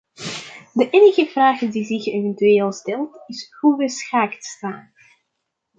De enige vraag die zich eventueel stelt is hoe wij schaak staan.